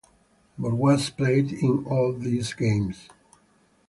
Bourgeois played in all these games.